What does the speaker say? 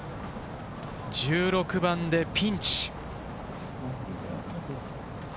１６番でピンチ。